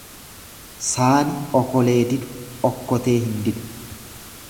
Saani okolee didu okkotee hin didu.